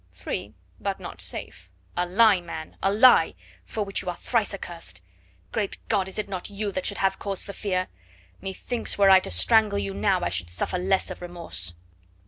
"Free but not safe." "A lie, man! A lie! For which you are thrice accursed. Great God, is it not you that should have cause for fear? Methinks were I to strangle you now I should suffer less of remorse."